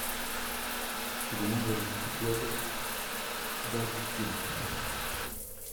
Il est membre du ski-club d'Hergiswil.